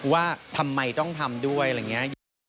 ว่าทำไมต้องทำด้วยอะไรอย่างนี้